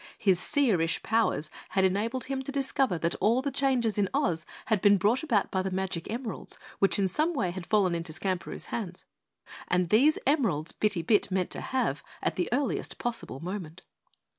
His seerish powers had enabled him to discover that all the changes in Oz had been brought about by the magic emeralds which in some way had fallen into Skamperoo's hands, and these emeralds Bitty Bit meant to have at the earliest possible moment.